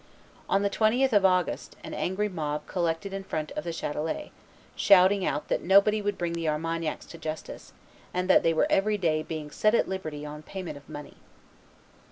On the 20th of August an angry mob collected in front of the Chatelet, shouting out that nobody would bring the Armagnacs to justice, and that they were every day being set at liberty on payment of money.